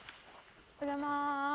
おはようございます。